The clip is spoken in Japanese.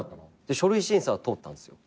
書類審査は通ったんですよ。